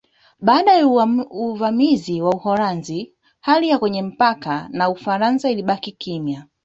Baada ya uvamizi wa Uholanzi hali kwenye mpaka na Ufaransa ilibaki kimya